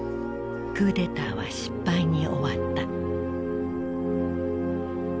クーデターは失敗に終わった。